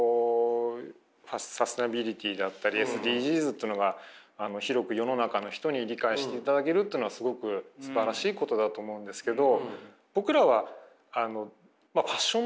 サスティナビリティだったりＳＤＧｓというのが広く世の中の人に理解していただけるっていうのはすごくすばらしいことだと思うんですけど。